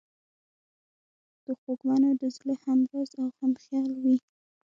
د خوږمنو د زړه همراز او همخیال وي.